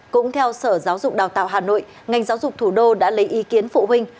cũng theo sở giáo dục đào tạo hà nội ngành giáo dục thủ đô đã lấy ý kiến phụ huynh